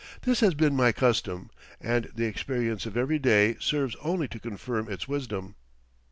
This has been my custom, and the experience of every day serves only to confirm its wisdom.